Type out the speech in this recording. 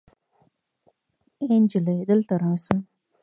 آې انجلۍ دلته راسه